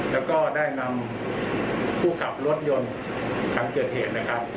แล้วก็ได้นำผู้ขับรถยนต์ทางเกิดเหตุ